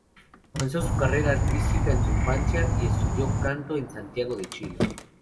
Comenzó su carrera artística en su infancia, y estudió Canto en Santiago de Chile.